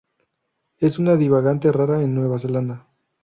Es una divagante rara en Nueva Zelanda.